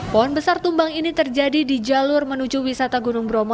pohon besar tumbang ini terjadi di jalur menuju wisata gunung bromo